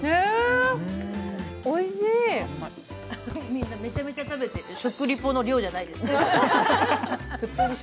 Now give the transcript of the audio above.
みんなめちゃめちゃ食べてて、食リポの量じゃないんですよ。